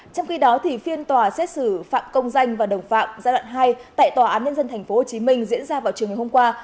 trong khi đó phiên tòa xét xử phạm công danh và đồng phạm giai đoạn hai tại tòa án nhân dân tp hcm diễn ra vào trường ngày hôm qua